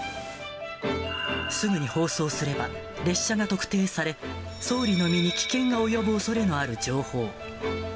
すぐに放送すれば、列車が特定され、総理の身に危険が及ぶおそれのある情報。